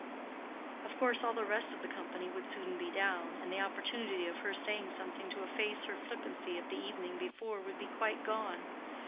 Of course all the rest of the company would soon be down, and the opportunity of her saying something to efface her flippancy of the evening before, would be quite gone.